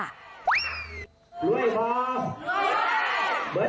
รวยพร้อมรวย